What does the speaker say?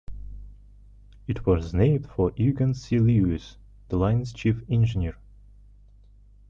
It was named for Eugene C. Lewis, the line's chief engineer.